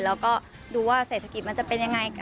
แล้วก็ดูว่าเศรษฐกิจมันจะเป็นยังไงค่ะ